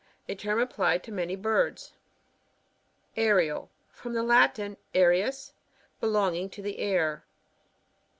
A term applied to many birds. Aerial. — From the Latin aeriua: be longing to the air.